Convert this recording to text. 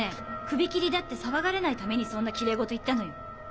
クビ切りだって騒がれないためにそんなきれい事言ったのよ。